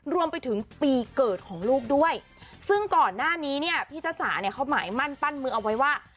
รวมไปถึงปีเกิดของลูกด้วยซึ่งก่อนหน้านี้เนี่ยพี่จ้าจ๋าเนี่ยเขาหมายมั่นปั้นมือเอาไว้ว่า